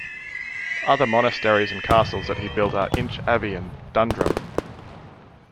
Other monasteries and castles that he built are Inch Abbey and Dundrum.